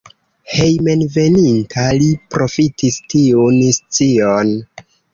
Hejmenveninta li profitis tiun scion.